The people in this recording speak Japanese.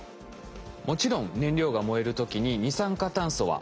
もちろん燃料が燃える時に二酸化炭素は排出されます。